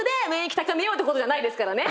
高めようってことじゃないですからね。